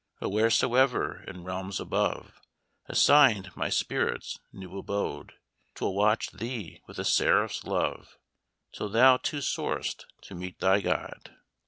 "O wheresoe'er, in realms above, Assign'd my spirit's new abode, 'Twill watch thee with a seraph's love, Till thou too soar'st to meet thy God.